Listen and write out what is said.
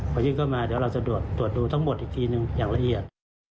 พอยื่นเข้ามาเดี๋ยวเราจะตรวจดูทั้งหมดอีกทีหนึ่งอย่างละเอียด